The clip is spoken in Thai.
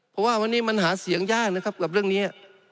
เพราะว่าวันนี้มันหาเสียงยากนะครับกับเรื่องนี้